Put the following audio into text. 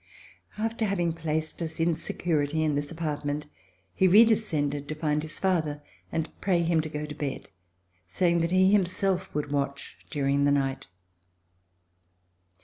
After having placed us in security in this apart ment, he redescended to find his father and pray him to go to bed, saying that he himself would watch during the night.